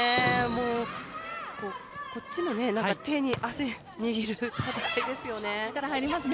こっちも手に汗握る戦いですよね。